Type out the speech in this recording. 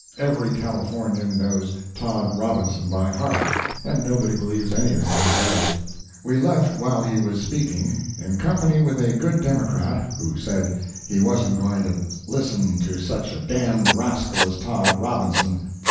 Every Californian knows Tod Robinson by heart, and nobody believes anything he says. We left while he was speaking, in company with a good Democrat, who said he wasn't "going to listen to such a d—d rascal as Tod Robinson."